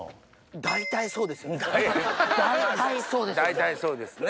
大体そうですよね。